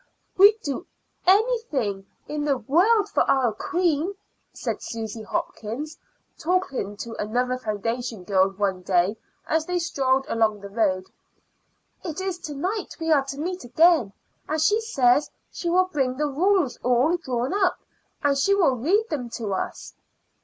"We'd do anything in the world for our queen," said Susy Hopkins, talking to another foundation girl one day as they strolled along the road. "It is to night we are to meet again, and she says she will bring the rules all drawn up, and she will read them to us.